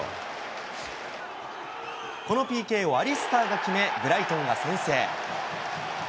このＰＫをアリスターが決め、ブライトンが先制。